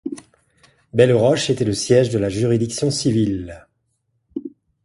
Belleroche était le siège de la juridiction civile.